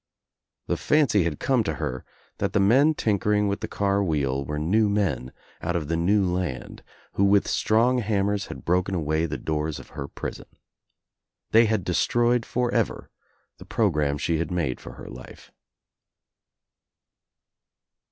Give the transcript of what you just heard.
The fancy had come to her that the men tinkering with the car wheel were new men out of the new land who with strong hammers had broken away the doors of her prison. They had de stroyed forever the programme sEe^had made for her life.